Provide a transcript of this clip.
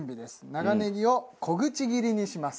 長ネギを小口切りにします。